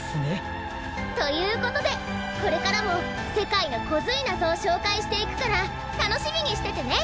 ということでこれからもせかいのコズいなぞをしょうかいしていくからたのしみにしててね！